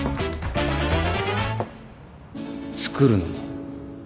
作るのも